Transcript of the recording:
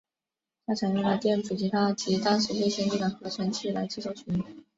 它采用了电子吉他及当时最先进的合成器来制作曲目。